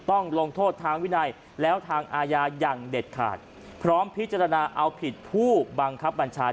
ต้องลงโทษทางวินัยแล้วทางอาญาอย่างเด็ดขาดพร้อมพิจารณาเอาผิดผู้บังคับบัญชา